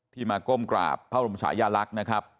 มาก้มกราบพระบรมชายาลักษณ์นะครับ